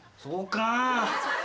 そうか。